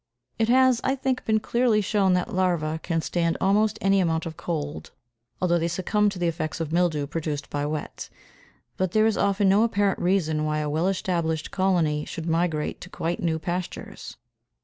It has, I think, been clearly shown that larvæ can stand almost any amount of cold, although they succumb to the effects of mildew produced by wet, but there is often no apparent reason why a well established colony should migrate to quite new pastures.